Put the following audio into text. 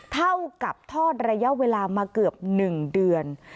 เท่ากับทอดระยะเวลามาเกือบ๑เดือน